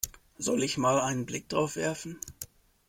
Soll ich mal einen Blick drauf werfen?